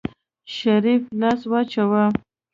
شريف لاس واچوه.